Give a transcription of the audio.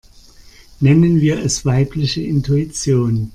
Nennen wir es weibliche Intuition.